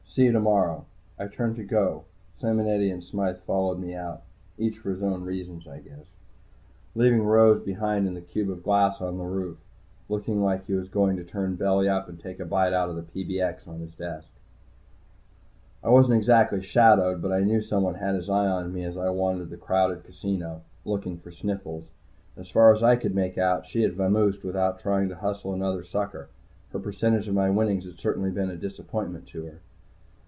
"See you tomorrow." I turned to go. Simonetti and Smythe followed me out, each for his own reasons, I guess, leaving Rose behind in the cube of glass on the roof, looking like he was going to turn belly up and take a bite out of the PBX on his desk. I wasn't exactly shadowed, but I knew somebody had his eye on me as I wandered about the crowded casino, looking for Sniffles. As far as I could make out, she had vamoosed without trying to hustle another sucker. Her percentage of my winnings had certainly been a disappointment to her.